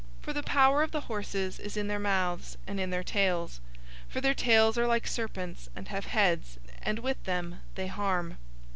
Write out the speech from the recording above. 009:019 For the power of the horses is in their mouths, and in their tails. For their tails are like serpents, and have heads, and with them they harm.